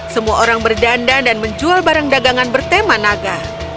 semua orang berdandan dan menjual barang dagangan bertema naga